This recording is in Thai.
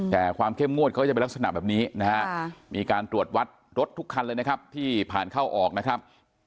แต่ความเข้มงวดเขาจะเป็นลักษณะแบบนี้นะฮะมีการตรวจวัดรถทุกคันเลยนะครับที่ผ่านเข้าออกนะครับ